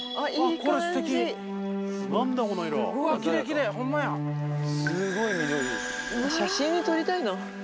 これ写真に撮りたいな。